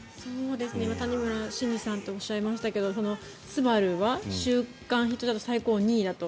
今、谷村新司さんとおっしゃいましたけど「昴」は週間ヒットだと最高２位だと。